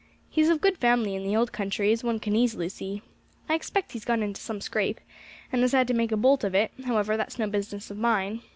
He's of good family in the old country, as one can easily see. I expect he has got into some scrape, and has had to make a bolt of it; however, that's no business of mine.